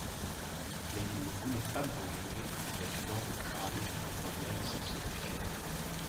Mais il ne voulait pas mourir avec dans le crâne un problème sans solution.